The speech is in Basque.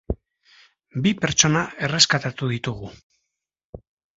Bi pertsona erreskatatu ditugu.